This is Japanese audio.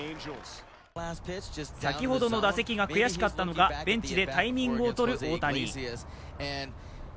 先ほどの打席が悔しかったのか、ベンチでタイミングをとる大谷。